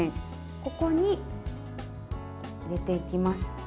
ここに入れていきます。